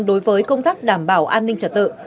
đối với công tác đảm bảo an ninh trật tự